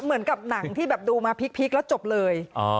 เหมือนกับหนังที่แบบดูมาพลิกแล้วจบเลย